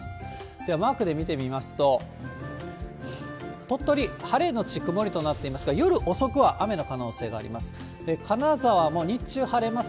では、マークで見てみますと、鳥取、晴れ後曇りとなっていますが、夜遅くは雨の可能性があります。